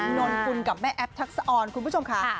นนกุลกับแม่แอฟทักษะออนคุณผู้ชมค่ะ